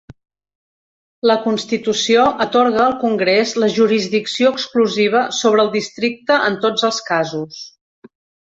La Constitució atorga al Congrés la jurisdicció exclusiva sobre el Districte en tots els casos.